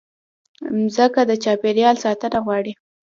مځکه د چاپېریال ساتنه غواړي.